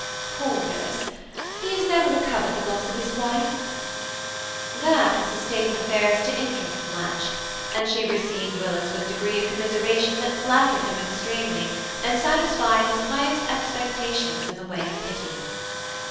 Ah, poor Willis, he has never recovered the loss of his wife!" That was a state of affairs to interest Blanche, and she received Willis with a degree of commiseration that flattered him extemely, and satisfied his highest expectations in the way of pity.